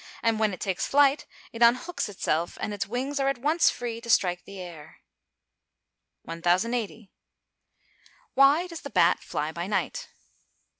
and when it takes its flight, it unhooks itself, and its wings are at once free to strike the air. 1080. _Why does the bat fly by night?